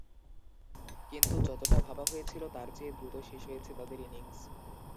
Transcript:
কিন্তু যতটা ভাবা হয়েছিল তার চেয়ে দ্রুত শেষ হয়েছে তাদের ইনিংস।